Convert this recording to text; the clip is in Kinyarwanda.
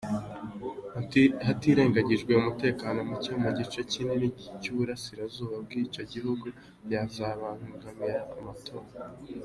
Hatirengagijwe n’umutekano muke mu gice kinini cy’iburasirazuba bw’icyo gihugu byazabangamira amatora.